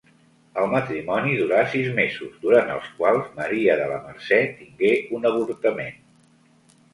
El matrimoni durà sis mesos durant els quals Maria de la Mercè tingué un avortament.